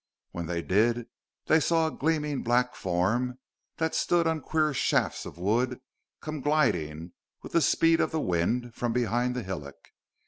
When they did, they saw a gleaming black form that stood on queer shafts of wood come gliding with the speed of the wind from behind the hillock.